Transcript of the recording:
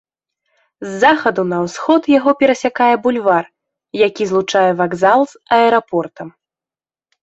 З захаду на ўсход яго перасякае бульвар, які злучае вакзал з аэрапортам.